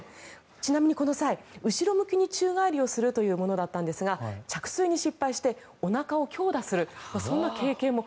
ちなみにこの際後ろ向きに宙返りをするというものだったんですが着水に失敗しておなかを強打するそんな経験も。